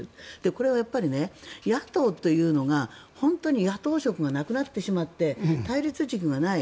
これは野党というのが本当に野党色がなくなってしまって対立軸がない。